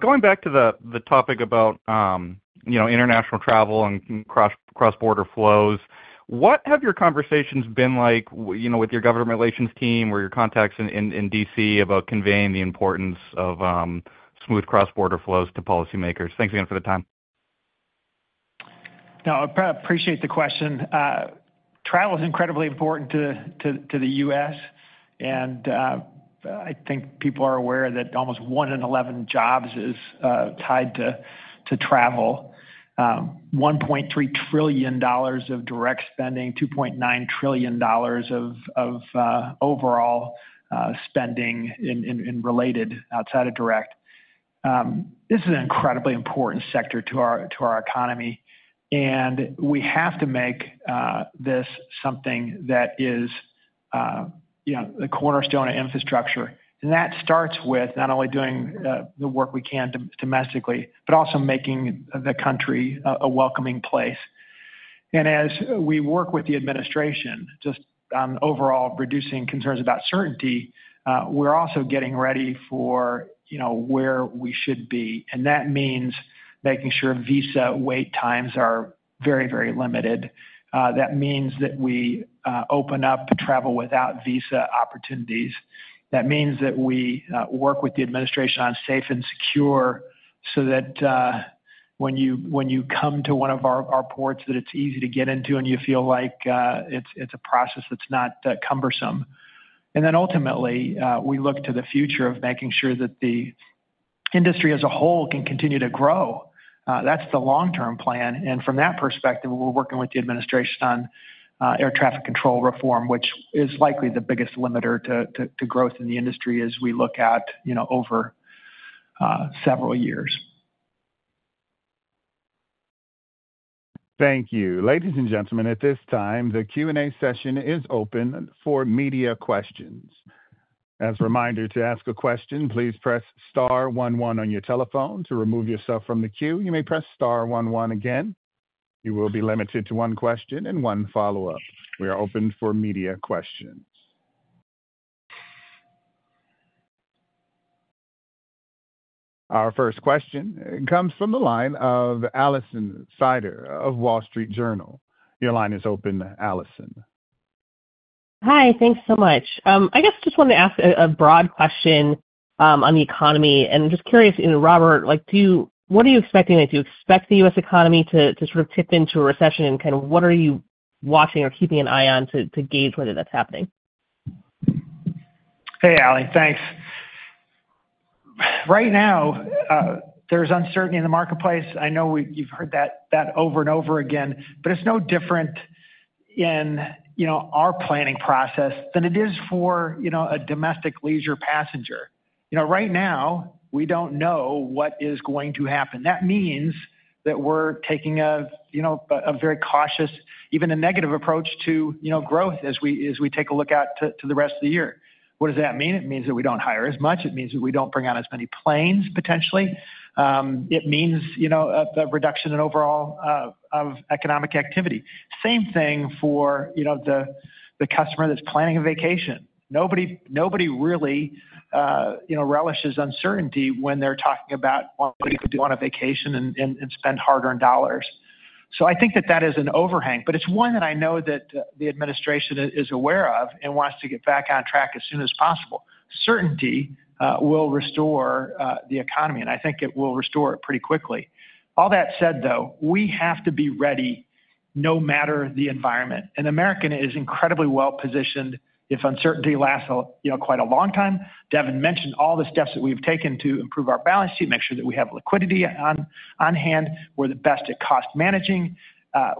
going back to the topic about international travel and cross-border flows, what have your conversations been like with your government relations team or your contacts in DC about conveying the importance of smooth cross-border flows to policymakers? Thanks again for the time. No, I appreciate the question. Travel is incredibly important to the U.S. I think people are aware that almost 1 in 11 jobs is tied to travel. $1.3 trillion of direct spending, $2.9 trillion of overall spending in related outside of direct. This is an incredibly important sector to our economy. We have to make this something that is a cornerstone of infrastructure. That starts with not only doing the work we can domestically, but also making the country a welcoming place. As we work with the administration just on overall reducing concerns about certainty, we're also getting ready for where we should be. That means making sure visa wait times are very, very limited. That means that we open up travel without visa opportunities. That means that we work with the administration on safe and secure so that when you come to one of our ports, that it's easy to get into and you feel like it's a process that's not cumbersome. Ultimately, we look to the future of making sure that the industry as a whole can continue to grow. That's the long-term plan. From that perspective, we're working with the administration on air traffic control reform, which is likely the biggest limiter to growth in the industry as we look out over several years. Thank you. Ladies and gentlemen, at this time, the Q&A session is open for media questions. As a reminder, to ask a question, please press star one one on your telephone. To remove yourself from the queue, you may press star one one again. You will be limited to one question and one follow-up. We are open for media questions. Our first question comes from the line of Alison Sider of Wall Street Journal. Your line is open, Alison. Hi. Thanks so much. I guess I just wanted to ask a broad question on the economy. I'm just curious, Robert, what are you expecting? Do you expect the U.S. economy to sort of tip into a recession? What are you watching or keeping an eye on to gauge whether that's happening? Hey, Ali. Thanks. Right now, there's uncertainty in the marketplace. I know you've heard that over and over again. It is no different in our planning process than it is for a domestic leisure passenger. Right now, we don't know what is going to happen. That means that we're taking a very cautious, even a negative approach to growth as we take a look out to the rest of the year. What does that mean? It means that we don't hire as much. It means that we don't bring out as many planes, potentially. It means a reduction in overall economic activity. Same thing for the customer that's planning a vacation. Nobody really relishes uncertainty when they're talking about wanting to go on a vacation and spend hard-earned dollars. I think that that is an overhang. It is one that I know that the administration is aware of and wants to get back on track as soon as possible. Certainty will restore the economy. I think it will restore it pretty quickly. All that said, though, we have to be ready no matter the environment. American is incredibly well positioned. If uncertainty lasts quite a long time, Devon mentioned all the steps that we have taken to improve our balance sheet, make sure that we have liquidity on hand. We are the best at cost managing.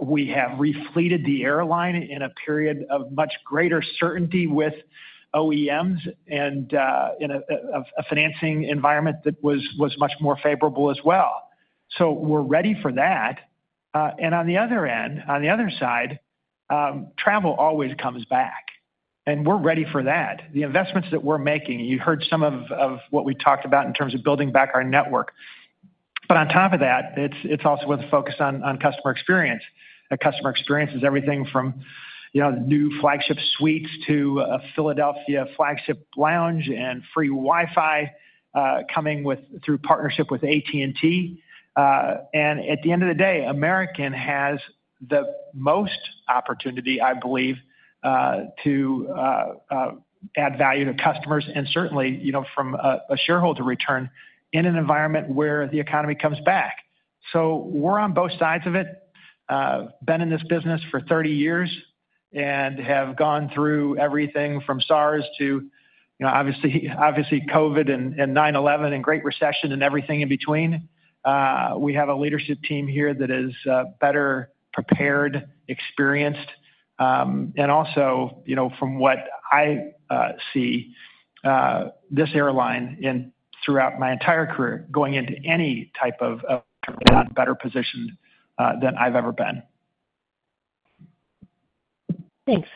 We have reflected the airline in a period of much greater certainty with OEMs and in a financing environment that was much more favorable as well. We are ready for that. On the other end, on the other side, travel always comes back. We are ready for that. The investments that we're making, you heard some of what we talked about in terms of building back our network. On top of that, it's also with a focus on customer experience. Customer experience is everything from new flagship suites to a Philadelphia flagship lounge and free Wi-Fi coming through partnership with AT&T. At the end of the day, American has the most opportunity, I believe, to add value to customers and certainly from a shareholder return in an environment where the economy comes back. We're on both sides of it. Been in this business for 30 years and have gone through everything from SARS to obviously COVID and 9/11 and great recession and everything in between. We have a leadership team here that is better prepared, experienced. From what I see, this airline and throughout my entire career going into any type of better position than I've ever been. Thanks.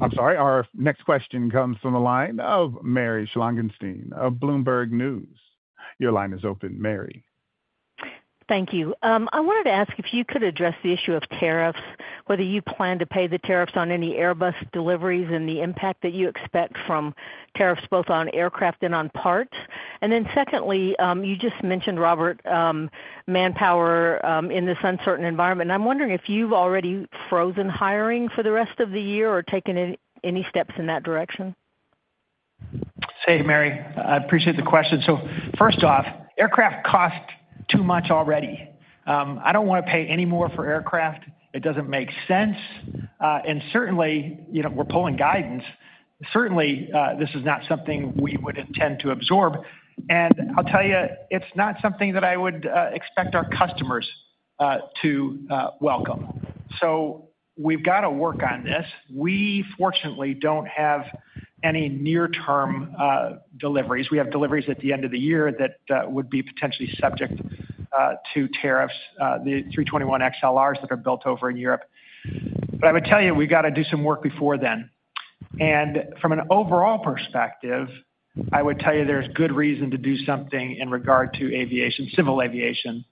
I'm sorry. Our next question comes from the line of Mary Schlangenstein of Bloomberg News. Your line is open, Mary. Thank you. I wanted to ask if you could address the issue of tariffs, whether you plan to pay the tariffs on any Airbus deliveries and the impact that you expect from tariffs both on aircraft and on parts. Secondly, you just mentioned, Robert, manpower in this uncertain environment. I'm wondering if you've already frozen hiring for the rest of the year or taken any steps in that direction. Mary, I appreciate the question. First off, aircraft cost too much already. I do not want to pay any more for aircraft. It does not make sense. Certainly, we are pulling guidance. Certainly, this is not something we would intend to absorb. I will tell you, it is not something that I would expect our customers to welcome. We have to work on this. We, fortunately, do not have any near-term deliveries. We have deliveries at the end of the year that would be potentially subject to tariffs, the A321XLRs that are built over in Europe. I would tell you, we have to do some work before then. From an overall perspective, I would tell you there is good reason to do something in regard to aviation, civil aviation,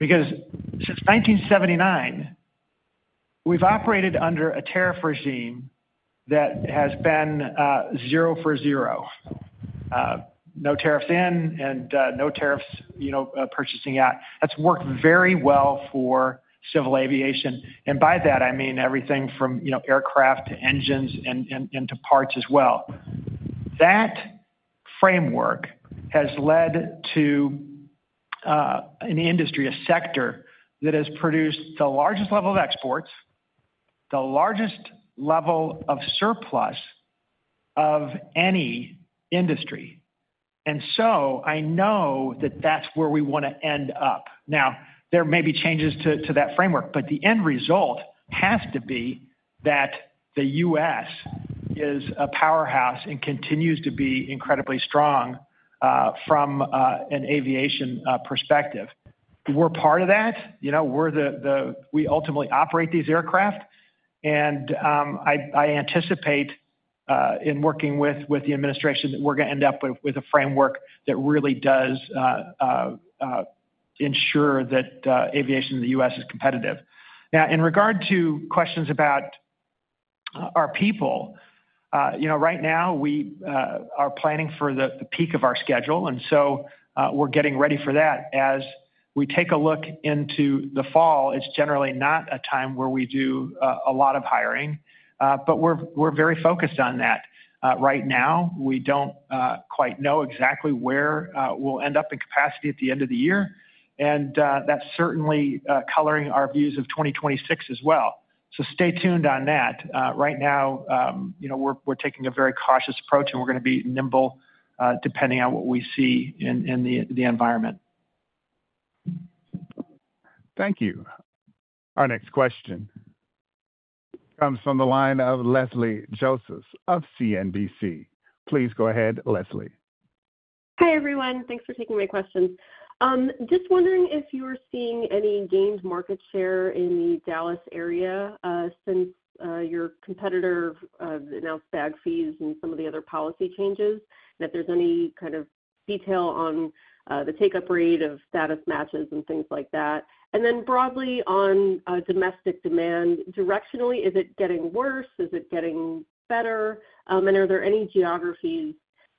because since 1979, we have operated under a tariff regime that has been zero for zero. No tariffs in and no tariffs purchasing out. That's worked very well for civil aviation. By that, I mean everything from aircraft to engines and to parts as well. That framework has led to an industry, a sector that has produced the largest level of exports, the largest level of surplus of any industry. I know that that's where we want to end up. There may be changes to that framework, but the end result has to be that the U.S. is a powerhouse and continues to be incredibly strong from an aviation perspective. We're part of that. We ultimately operate these aircraft. I anticipate in working with the administration that we're going to end up with a framework that really does ensure that aviation in the U.S. is competitive. Now, in regard to questions about our people, right now, we are planning for the peak of our schedule. We are getting ready for that. As we take a look into the fall, it's generally not a time where we do a lot of hiring. We are very focused on that. Right now, we don't quite know exactly where we'll end up in capacity at the end of the year. That is certainly coloring our views of 2026 as well. Stay tuned on that. Right now, we're taking a very cautious approach, and we're going to be nimble depending on what we see in the environment. Thank you. Our next question comes from the line of Leslie Josephs of CNBC. Please go ahead, Leslie. Hi, everyone. Thanks for taking my questions. Just wondering if you're seeing any gained market share in the Dallas area since your competitor announced bag fees and some of the other policy changes, and if there's any kind of detail on the take-up rate of status matches and things like that. Broadly on domestic demand, directionally, is it getting worse? Is it getting better? Are there any geographies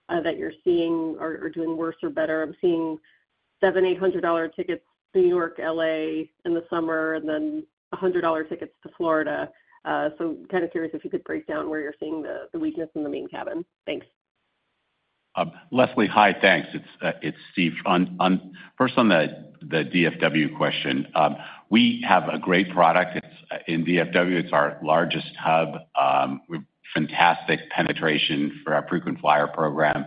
that you're seeing are doing worse or better? I'm seeing $700, $800 tickets to New York, L.A. in the summer, and then $100 tickets to Florida. Kind of curious if you could break down where you're seeing the weakness in the main cabin. Thanks. Leslie, hi. Thanks. It's Steve. First, on the DFW question, we have a great product. In DFW, it's our largest hub. We have fantastic penetration for our frequent flyer program,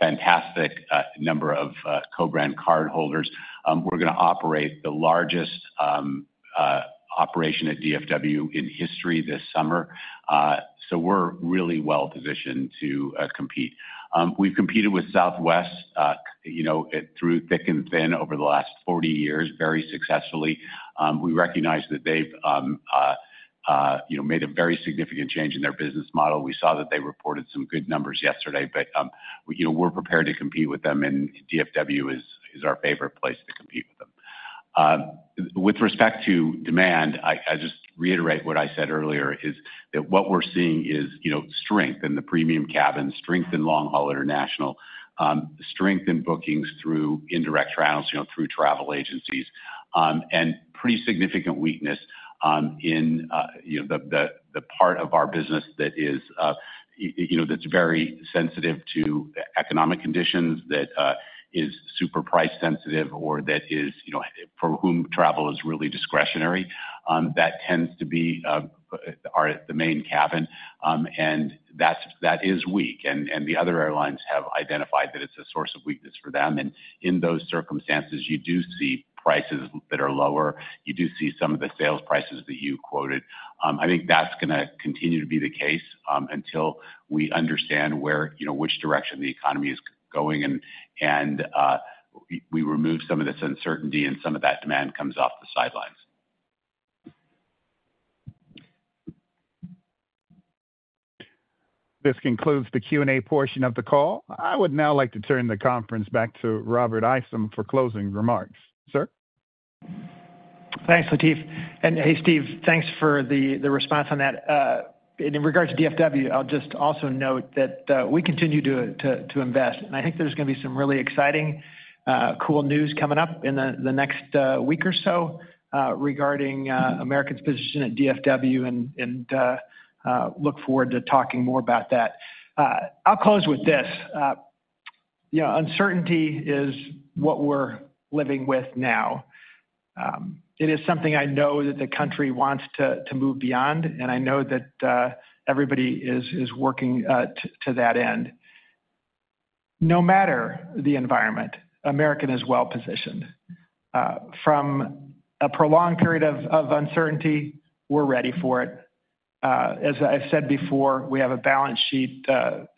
fantastic number of co-brand cardholders. We're going to operate the largest operation at DFW in history this summer. We are really well positioned to compete. We've competed with Southwest through thick and thin over the last 40 years, very successfully. We recognize that they've made a very significant change in their business model. We saw that they reported some good numbers yesterday. We are prepared to compete with them. DFW is our favorite place to compete with them. With respect to demand, I just reiterate what I said earlier, is that what we're seeing is strength in the premium cabin, strength in long-haul international, strength in bookings through indirect travel through travel agencies, and pretty significant weakness in the part of our business that's very sensitive to economic conditions, that is super price sensitive, or that is for whom travel is really discretionary. That tends to be the main cabin. That is weak. The other airlines have identified that it's a source of weakness for them. In those circumstances, you do see prices that are lower. You do see some of the sales prices that you quoted. I think that's going to continue to be the case until we understand which direction the economy is going and we remove some of this uncertainty and some of that demand comes off the sidelines. This concludes the Q&A portion of the call. I would now like to turn the conference back to Robert Isom for closing remarks. Sir? Thanks, Latif. Hey, Steve, thanks for the response on that. In regards to DFW, I'll just also note that we continue to invest. I think there's going to be some really exciting, cool news coming up in the next week or so regarding American's position at DFW. I look forward to talking more about that. I'll close with this. Uncertainty is what we're living with now. It is something I know that the country wants to move beyond. I know that everybody is working to that end. No matter the environment, American is well positioned. From a prolonged period of uncertainty, we're ready for it. As I've said before, we have a balance sheet,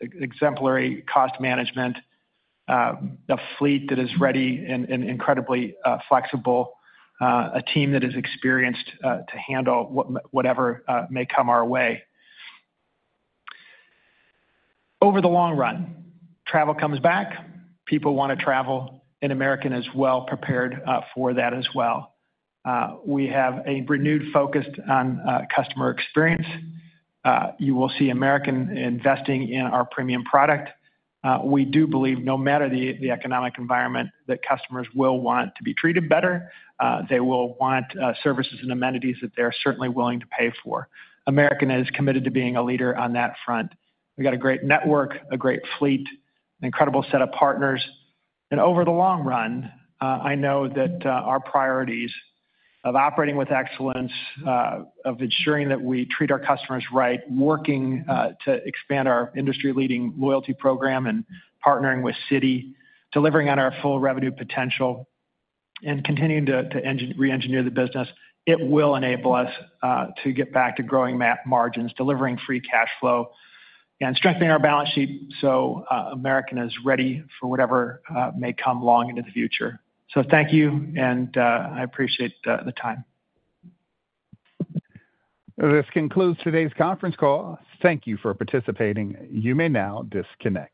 exemplary cost management, a fleet that is ready and incredibly flexible, a team that is experienced to handle whatever may come our way. Over the long run, travel comes back. People want to travel. American is well prepared for that as well. We have a renewed focus on customer experience. You will see American investing in our premium product. We do believe no matter the economic environment that customers will want to be treated better, they will want services and amenities that they are certainly willing to pay for. American is committed to being a leader on that front. We have got a great network, a great fleet, an incredible set of partners. Over the long run, I know that our priorities of operating with excellence, of ensuring that we treat our customers right, working to expand our industry-leading loyalty program and partnering with Citi, delivering on our full revenue potential, and continuing to re-engineer the business, it will enable us to get back to growing margins, delivering free cash flow, and strengthening our balance sheet so American is ready for whatever may come long into the future. Thank you. I appreciate the time. This concludes today's conference call. Thank you for participating. You may now disconnect.